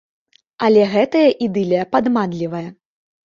Але гэтая ідылія падманлівая.